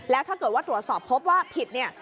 แล้วถ้าเกิดว่าตรวจสอบพบว่าผิดเนี่ย